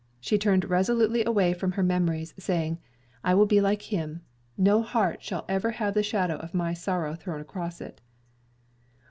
She turned resolutely away from her memories, saying: "I will be like him. No heart shall ever have the shadow of my sorrow thrown across it."